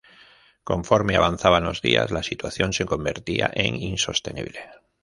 Conforme avanzaban los días, la situación se convertía en insostenible.